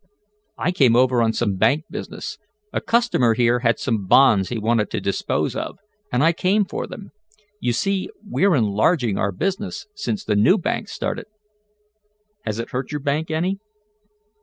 "I came over on some bank business. A customer here had some bonds he wanted to dispose of and I came for them. You see we're enlarging our business since the new bank started." "Has it hurt your bank any?"